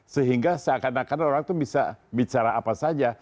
sehingga seakan akan orang itu bisa bicara apa saja